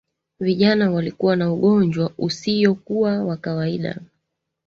vijana walikuwa na ugonjwa usiyokuwa wa kawaida